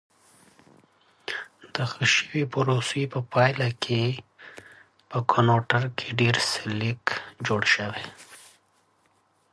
The improved process resulted in much more slag forming in the converter.